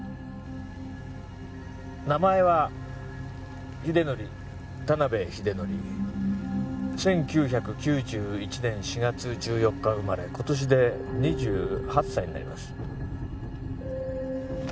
名前は秀則田辺秀則１９９１年４月１４日生まれ今年で２８歳になります